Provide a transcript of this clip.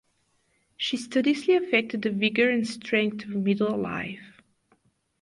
She studiously affected the vigour and strength of middle life.